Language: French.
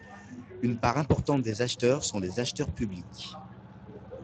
Une part importante des acheteurs sont des acheteurs publics.